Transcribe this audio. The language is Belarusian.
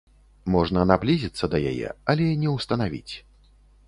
Можна наблізіцца да яе, але не ўстанавіць.